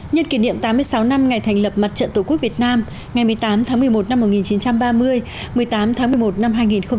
nhân kỷ niệm tám mươi sáu năm ngày thành lập mặt trận tổ quốc việt nam ngày một mươi tám tháng một mươi một năm một nghìn chín trăm ba mươi một mươi tám tháng một mươi một năm hai nghìn hai mươi